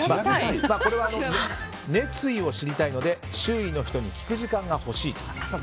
これは熱意を知りたいので周囲の人に聞く時間が欲しいと。